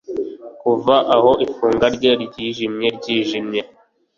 Kuva aho ifunga rye ryijimye ryijimye